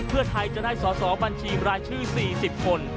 เพื่อไทยจะได้สอสอบัญชีบรายชื่อ๔๐คน